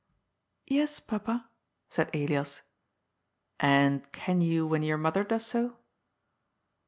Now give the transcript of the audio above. " Yes, papa,'"' said Elias. "And can you when your mother does so?"